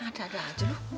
ada ada aja rom